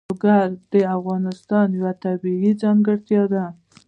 لوگر د افغانستان یوه طبیعي ځانګړتیا ده.